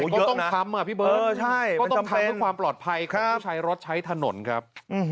เยอะต้องทำอ่ะพี่เบิร์ตมันจะทำเพื่อความปลอดภัยของผู้ใช้รถใช้ถนนครับ